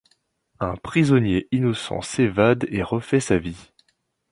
Un prisonnier innocent s'évade et refait sa vie.